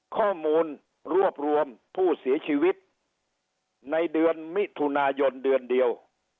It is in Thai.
ข้อมูลรวบรวมผู้เสียชีวิตในเดือนมิถุนายนเดือนเดียว